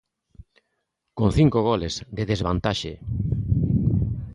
Con cinco goles de desvantaxe.